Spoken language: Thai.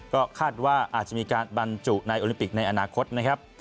ก็คาดว่าอาจจะมีการบรรจุในโอลิมปิกในอนาคตนะครับ